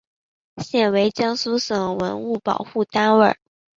现为江苏省文物保护单位。